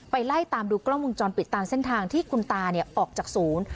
ไล่ตามดูกล้องวงจรปิดตามเส้นทางที่คุณตาออกจากศูนย์